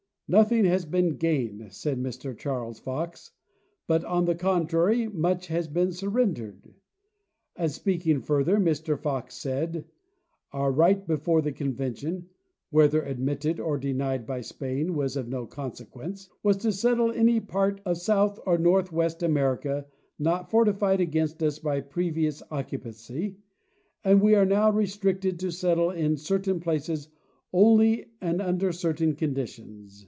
"Nothing has been gained," said Mr Charles Fox, " but, on the contrary, much has been surrendered;" and, speaking further, Mr Fox said: "Our right before the convention (whether ad mitted or denied by Spain was of no consequence) was to settle any part of South or Northwest America not fortified against us by previous occupancy, and we are now restricted to settle in certain places only and under certain conditions.